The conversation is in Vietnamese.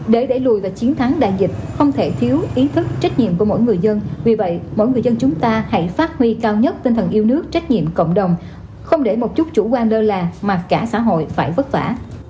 để đẩy lùi và chiến thắng đại dịch không thể thiếu ý thức trách nhiệm của mỗi người dân vì vậy mỗi người dân chúng ta hãy phát huy cao nhất tinh thần yêu nước trách nhiệm cộng đồng không để một chút chủ quan lơ là mà cả xã hội phải vất vả